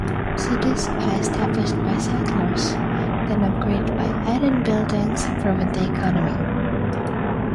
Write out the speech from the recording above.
Cities are established by settlers, then upgraded by adding buildings improving the economy.